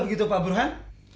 begitu pak buruhan